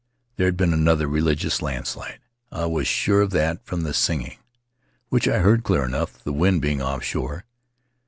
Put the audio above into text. There had been another religious landslide. I was sure of that from the singing, which I heard clear enough, the wind being offshore.